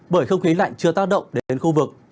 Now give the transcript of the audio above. bởi không khí lạnh chưa tác động đến khu vực